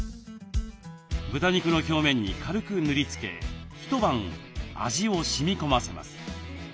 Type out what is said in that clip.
豚肉の表面に軽く塗りつけ一晩味をしみこませます。